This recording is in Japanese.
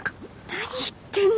何言ってんの